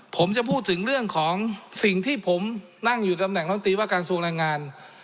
ผมจะพูดถึงเรื่องของสิ่งที่ผมนั่งอยู่ตำแหน่งน้องตีว่าการทรวงแรงงาน